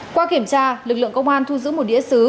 qua kiểm tra lực lượng công an thu giữ một đĩa xứ